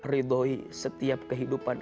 ridhoi setiap kehidupan